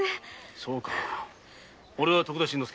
そうかおれは徳田新之助。